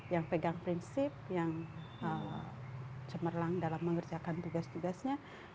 yang pegang prinsip yang cemerlang dalam mengerjakan tugas tugasnya